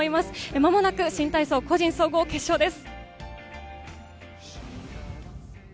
まもなく新体操個人総合決勝です。